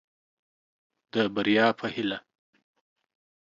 د بريا په هيله.